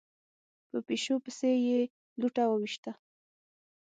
په پيشو پسې يې لوټه وويشته.